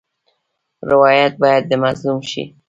روایت باید د مظلوم شي.